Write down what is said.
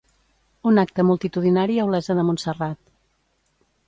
Un acte multitudinari a Olesa de Montserrat.